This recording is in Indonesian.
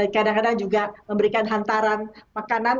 kadang kadang juga memberikan hantaran makanan